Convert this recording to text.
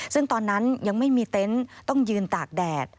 ซึ่งตอนนั้นยังไม่มีเต็นต์ต้องยืนตากแดด